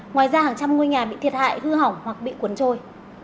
ngoài ra hàng trăm ngôi nhà bị thiệt hại hư hỏng hoặc bị cuốn trôi